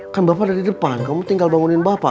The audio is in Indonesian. kan bapak ada di depan kamu tinggal bangunin bapak